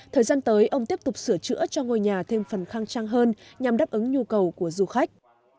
thời gian tới ông tiếp tục sửa chữa cho ngôi nhà thêm phần khăng trang hơn nhằm đáp ứng nhu cầu của du khách